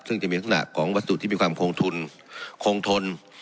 ซึ่งจะมีลักษณะของวัตถุที่มีความคงทุนคงทน